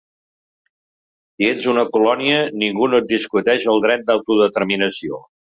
Si ets una colònia ningú no et discuteix el dret d’autodeterminació.